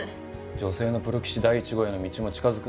女性のプロ棋士第１号への道も近づく。